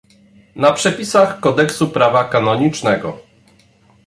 na przepisach kodeksu prawa kanonicznego